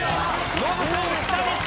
ノブさん下でした。